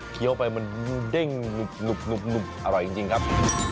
ไปมันเด้งหนุบอร่อยจริงครับ